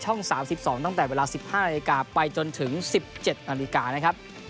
ช่อง๓๒ตั้งแต่เวลา๑๕นาทีไปจนถึง๑๗นาที